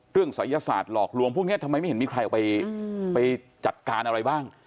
ศัยศาสตร์หลอกลวงพวกนี้ทำไมไม่เห็นมีใครออกไปจัดการอะไรบ้าง